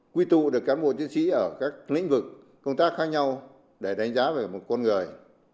quy tụ được cán bộ chiến sĩ ở các lĩnh vực công tác khác nhau để đánh giá về một con người